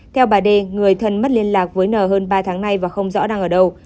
theo bà t t d người thân mất liên lạc với n hơn ba tháng nay và không rõ đang ở đâu